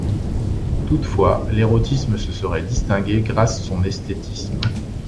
Toutefois, l'érotisme se serait distingué grâce son esthétisme.